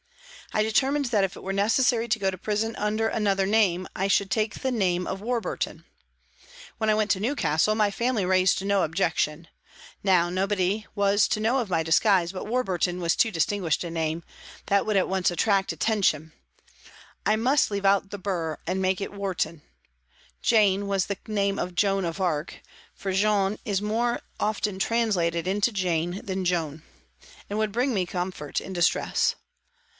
I determined that if it were necessary to go to prison under another name, I should take the name of Warburton. When I went to Newcastle, my family raised no objection. Now nobody was to know of my disguise, but Warburton was too distinguished a name ; that would at once attract 238 PRISONS AND PRISONERS attention. I must leave out the " bur " and make it " Warton." " Jane " was the name of Joan of Arc (for Jeanne is more often translated into " Jane " than " Joan ") and would bring me com fort in distress.